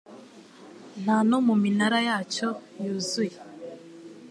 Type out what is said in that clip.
Nta no mu minara yacyo yuzuye